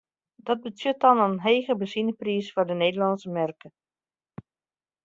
Dat betsjut dan in hege benzinepriis foar de Nederlânske merk.